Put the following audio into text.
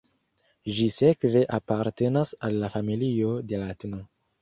Ĝi sekve apartenas al la familio de la tn.